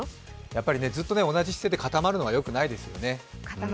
やっぱりずっと同じ姿勢で固まるのがよくないですよね。